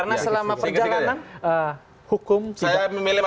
mengapa mayoritas sudah tidak meninginkan